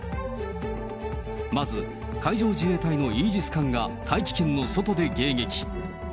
まず、海上自衛隊のイージス艦が、大気圏の外で迎撃。